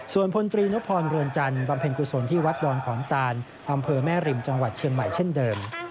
ส่วนพลตรีนพรเรือนจันทร์บำเพ็ญกุศลที่วัดดอนขอนตานอำเภอแม่ริมจังหวัดเชียงใหม่เช่นเดิม